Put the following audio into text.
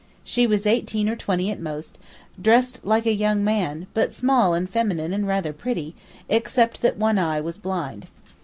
She was eighteen or twenty at most, dressed like a young man, but small and feminine and rather pretty, except that one eye was blind.